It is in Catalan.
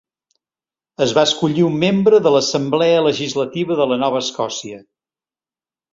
Es va escollir un membre de l"Assemblea Legislativa de la Nova Escòcia.